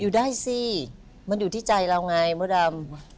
ได้สิมันอยู่ที่ใจเรายังไงมดรรม